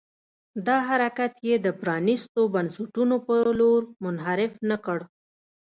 دا حرکت یې د پرانيستو بنسټونو په لور منحرف نه کړ.